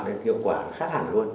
cái hiệu quả nó khác hẳn luôn